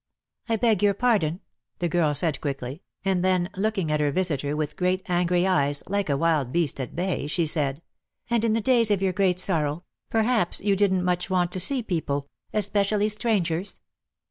"I beg your pardon," the girl said quickly, and then, looking at her visitor with great angiy eyes, like a wild beast at bay, she said: "And in the days of your great sorrow perhaps you didn't much want to see people — especially strangers."